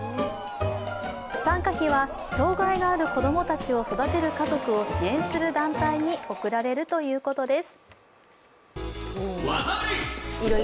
参加費は障害のある子供たちを育てる家族を支援する団体に送られるということです。